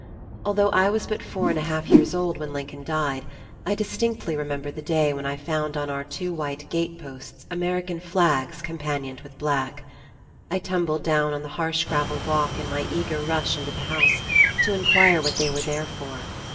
Although I was but four and a half years old when Lincoln died, I distinctly remember the day when I found on our two white gateposts American flags companioned with black. I tumbled down on the harsh gravel walk in my eager rush into the house to inquire what they were "there for."